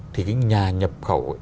thì cái nhà nhập khẩu